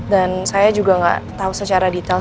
dan saya juga gak tau secara detail